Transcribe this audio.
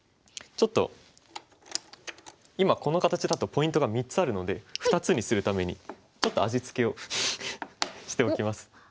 ちょっと今この形だとポイントが３つあるので２つにするためにちょっと味付けをしておきます。